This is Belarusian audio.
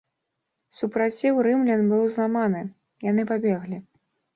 Супраціў рымлян быў зламаны, яны пабеглі.